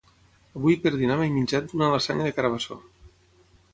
Avui per dinar m'he menjat una lasanya de carbassó